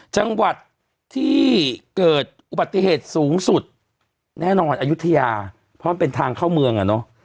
จังหวัดที่เกิดอุบัติเหตุสูงสุดแน่นอนอายุทยาเพราะมันเป็นทางเข้าเมืองอ่ะเนอะ